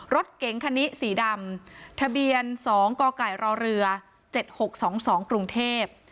รถเก๋งคันนี้สีดำทะเบียนสองกไก่รอเรือเจ็ดหกสองสองกรุงเทพ